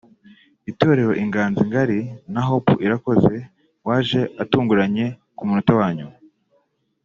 itorero Inganzo ngari na Hope Irakoze waje atunguranye ku munota wa nyuma